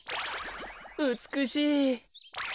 うつくしい。